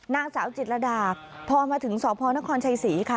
นางสาวจิตรดาพอมาถึงสพนครชัยศรีค่ะ